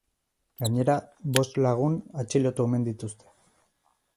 Gainera, bost lagun atxilotu omen dituzte.